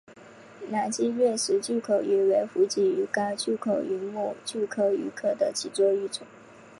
南极掠食巨口鱼为辐鳍鱼纲巨口鱼目巨口鱼科的其中一种。